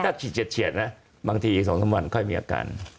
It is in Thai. ถ้าฉีดเฉียดนะบางที๒๓วันค่อยมีอาการ